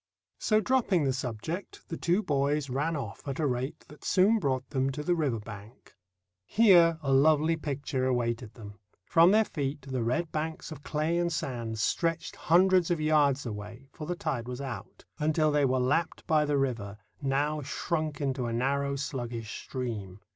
So dropping the subject, the two boys ran off at a rate that soon brought them to the river bank. Here a lovely picture awaited them. From their feet the red banks of clay and sand stretched hundreds of yards away (for the tide was out), until they were lapped by the river, now shrunk into a narrow, sluggish stream.